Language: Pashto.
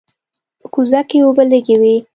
په کوزه کې اوبه لږې وې.